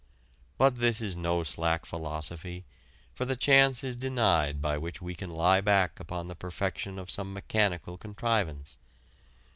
But this is no slack philosophy, for the chance is denied by which we can lie back upon the perfection of some mechanical contrivance.